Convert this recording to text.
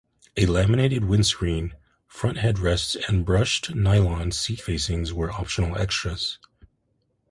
A laminated windscreen, front head rests and brushed nylon seat facings were optional extras.